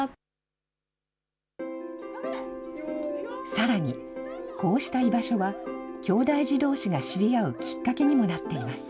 さらに、こうした居場所は、きょうだい児どうしが知り合うきっかけにもなっています。